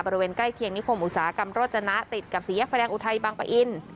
ใกล้เคียงนิคมอุตสาหกรรมโรจนะติดกับสี่แยกไฟแดงอุทัยบางปะอิน